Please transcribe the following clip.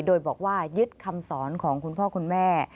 โดยบอกว่ายึดคำสอนของคุณพ่อคุณแม่